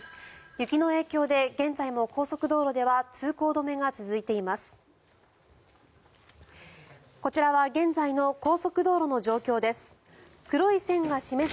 雪の影響で現在も高速道路では通行止めが続いています。